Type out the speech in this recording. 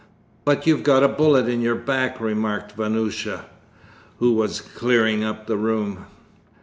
'But you've got a bullet in your back,' remarked Vanyusha, who was clearing up the room.